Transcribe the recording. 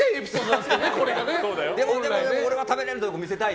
でも俺は食べれるぞというところ見せたい。